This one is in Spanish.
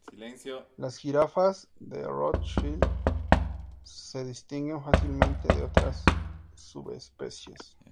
Las jirafas de Rothschild se distinguen fácilmente de otras subespecies.